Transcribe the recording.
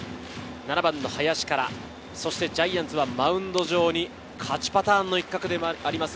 ７番の林からジャイアンツはマウンド上に勝ちパターンの一角でもあります